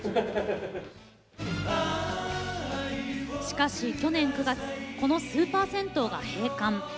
しかし去年９月このスーパー銭湯が閉館。